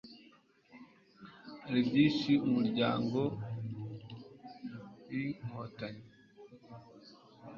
hari byinshi umuryango fprinkotanyi